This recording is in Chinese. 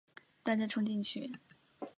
大家冲进去